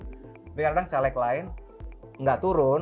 tapi kadang kadang caleg lain enggak turun